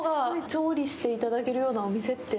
調理していただけるようなお店って。